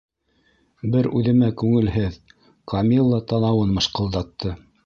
Бер үҙемә күңелһеҙ, - Камилла танауын мышҡыл- датты.